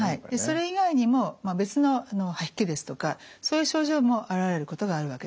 それ以外にも別の吐き気ですとかそういう症状も現れることがあるわけです。